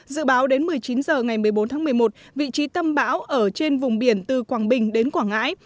dự báo đến một mươi chín h ngày một mươi bốn tháng một mươi một vị trí tâm bão ở trên vùng biển từ quảng bình đến quảng ngãi